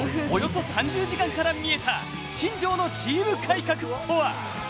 およそ３０時間から見えた新庄のチーム改革とは？